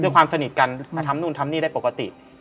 ความสนิทกันมาทำนู่นทำนี่ได้ปกติ